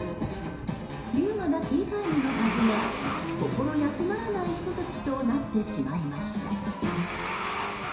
優雅なティータイムのはずが心休まらないひと時となってしまいました。